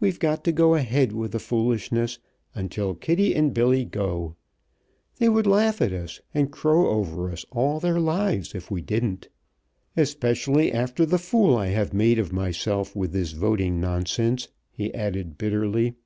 We've got to go ahead with the foolishness until Kitty and Billy go. They would laugh at us and crow over us all their lives if we didn't. Especially after the fool I have made of myself with this voting nonsense," he added bitterly.